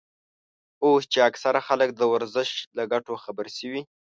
اوس چې اکثره خلک د ورزش له ګټو خبر شوي.